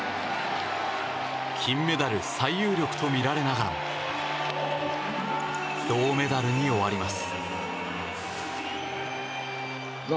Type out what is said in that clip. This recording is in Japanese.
金メダル最有力とみられながらも銅メダルに終わります。